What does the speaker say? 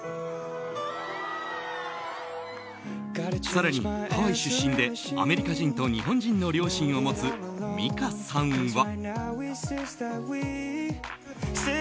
更に、ハワイ出身でアメリカ人と日本人の両親を持つミカさんは。